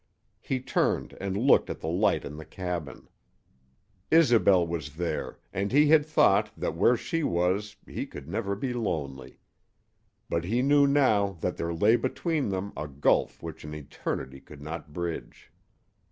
He turned and looked at the light in the cabin. Isobel was there, and he had thought that where she was he could never be lonely. But he knew now that there lay between them a gulf which an eternity could not bridge.